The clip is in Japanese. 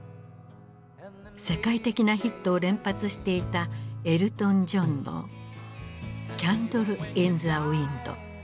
世界的なヒットを連発していたエルトン・ジョンの「キャンドル・イン・ザ・ウインド」。